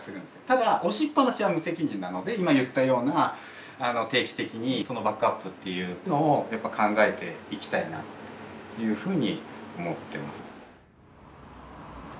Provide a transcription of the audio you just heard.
ただ押しっぱなしは無責任なので今言ったような定期的にバックアップっていうのを考えていきたいなっていうふうに思ってます。